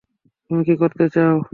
তুমি কী করতে চাও?